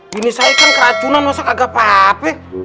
bini saya kan keracunan agak apa apa